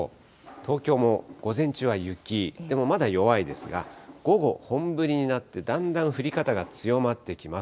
東京も午前中は雪、でもまだ弱いですが、午後、本降りになって、だんだん降り方が強まってきます。